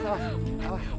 kita jadi orang kaya pak